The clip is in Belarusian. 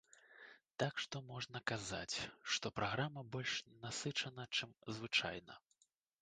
Так што можна казаць, што праграма больш насычана, чым звычайна.